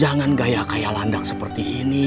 jangan gaya kaya landak seperti ini